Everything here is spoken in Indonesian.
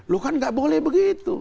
lo kan nggak boleh begitu